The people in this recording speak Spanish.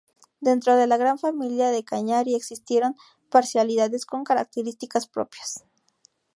Dentro de la gran familia cañari existieron parcialidades con características propias.